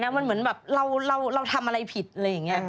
มันเหมือนแบบเราทำอะไรผิดอะไรอย่างนี้